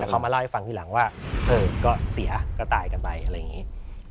แต่เขามาเล่าให้ฟังทีหลังว่าก็เสียก็ตายกันไปอะไรอย่างนี้